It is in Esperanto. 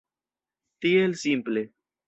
Tiel simple.